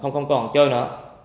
không còn chơi nữa